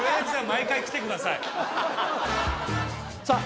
毎回来てくださいさあ